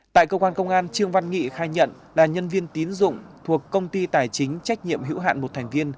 tại cơ quan công an trương văn nghị khai nhận là nhân viên tín dụng thuộc công ty tài chính trách nhiệm hữu hạn một thành viên